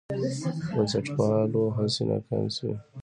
بنسټپالو هڅې ناکامې شوې.